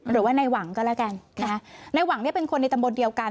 หรือว่าในหวังก็แล้วกันนะคะในหวังเนี่ยเป็นคนในตำบลเดียวกัน